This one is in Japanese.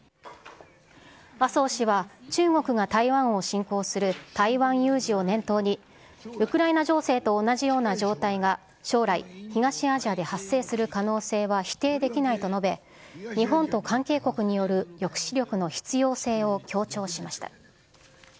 麻生氏は、中国が台湾を侵攻する台湾有事を念頭に、ウクライナ情勢と同じような状態が将来、東アジアで発生する可能性は否定できないと述べ、日本と関係国による抑止力の必要性を強調しました。